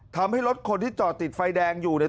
ทำให้รถคนที่จอดติดไฟแดงอยู่เนี่ย